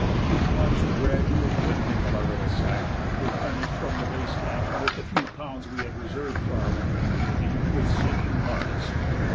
We watched the gradual dwindling of our little sack, replenished from the base camp with the few pounds we had reserved for our return journey, with sinking hearts.